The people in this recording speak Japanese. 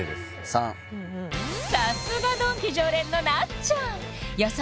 ３さすがドンキ常連のなっちゃん予想